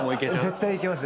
絶対いけます